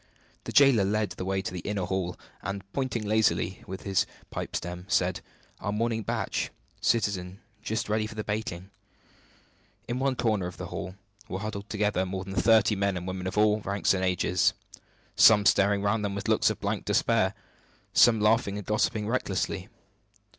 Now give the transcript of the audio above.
The jailer led the way to an inner hall; and, pointing lazily with his pipe stem, said: "Our morning batch, citizen, just ready for the baking." In one corner of the hall were huddled together more than thirty men and women of all ranks and ages; some staring round them with looks of blank despair; some laughing and gossiping recklessly.